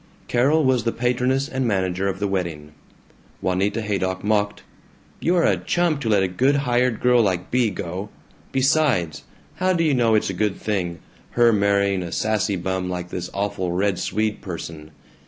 Carol was the patroness and manager of the wedding. Juanita Haydock mocked, "You're a chump to let a good hired girl like Bea go. Besides! How do you know it's a good thing, her marrying a sassy bum like this awful Red Swede person?